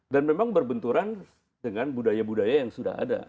dan memang berbenturan dengan budaya budaya yang sudah ada